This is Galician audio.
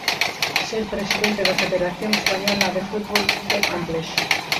Ser presidente da Federación Española de Fútbol é complexo.